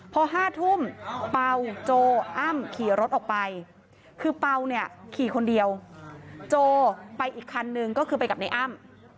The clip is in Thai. พอ๕ทุ่มเป่าโจอ้ำขี่รถออกไปคือเปล่าเนี่ยขี่คนเดียวโจไปอีกคันนึงก็คือไปกับในอ้ำ